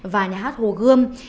và nhà hát hồ gươm